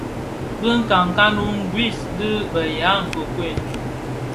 Bi nkankan wu ngris dhi be ya nkuekuel.